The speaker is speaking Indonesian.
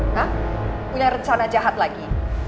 nah punya rencana jahat lagi